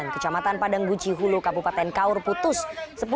kecamatan padangguci hulu kabupaten kaur putus